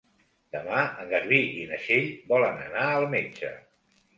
Demà en Garbí i na Txell volen anar al metge.